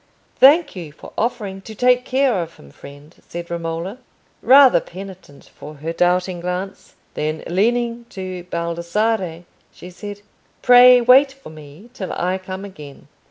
"Thank you for offering to take care of him, friend," said Romola, rather penitent for her doubting glance. Then leaning to Baldassarre, she said, "Pray wait for me till I come again."